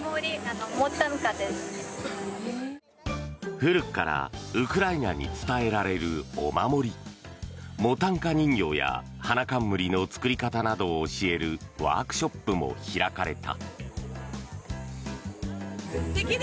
古くからウクライナに伝えられるお守りモタンカ人形や花冠の作り方などを教えるワークショップも開かれた。